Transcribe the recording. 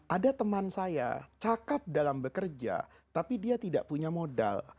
ada teman saya cakep dalam bekerja tapi dia tidak punya modal